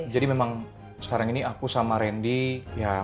jadi memang sekarang ini aku sama rendy